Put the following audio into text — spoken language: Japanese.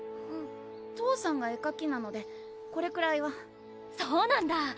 父さんが絵かきなのでこれくらいはそうなんだ！